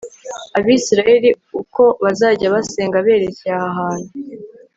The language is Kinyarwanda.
abisirayeli, uko bazajya basenga berekeye aha hantu